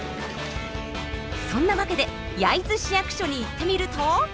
そんなわけで焼津市役所に行ってみると。